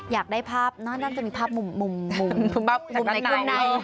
อยากได้ภาพนั่นจะมีภาพมุมในกลุ่มใน